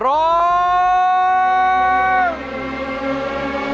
รูปสุดงามสมสังคมเครื่องใครแต่หน้าเสียดายใจทดสกัน